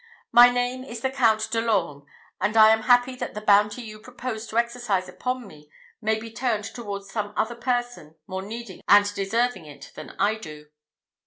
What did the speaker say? My name is the Count de l'Orme, and I am happy that the bounty you proposed to exercise upon me may be turned towards some other person more needing and deserving it than I do."